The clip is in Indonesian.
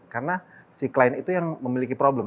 karena si klien itu yang memiliki problem